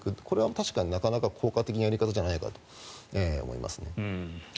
これは確かに、なかなか効果的なやり方じゃないかと思います。